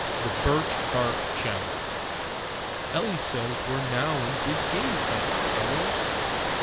THE BIRCH BARK CHALLENGE. "Eli says we're now in the big game country, fellows!"